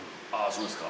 そうですか。